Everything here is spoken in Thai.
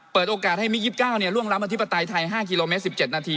เปิดโอกาสให้มิกยิปเก้าเนี้ยร่วงรับอธิปไตยไทยห้าคิโลเมตรสิบเจ็ดนาที